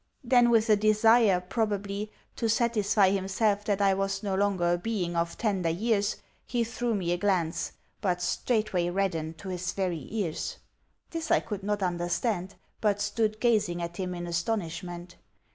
Then, with a desire (probably) to satisfy himself that I was no longer a being of tender years, he threw me a glance but straightway reddened to his very ears. This I could not understand, but stood gazing at him in astonishment.